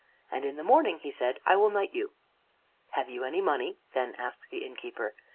And in the morning," he said, "I will knight you." "Have you any money?" then asked the innkeeper.